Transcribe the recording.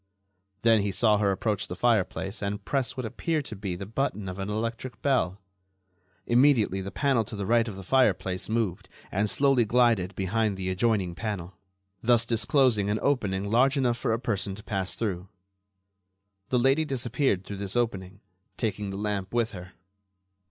Then he saw her approach the fireplace and press what appeared to be the button of an electric bell. Immediately the panel to the right of the fireplace moved and slowly glided behind the adjoining panel, thus disclosing an opening large enough for a person to pass through. The lady disappeared through this opening, taking the lamp with her.